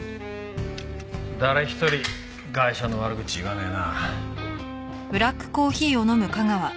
誰一人ガイシャの悪口言わねえな。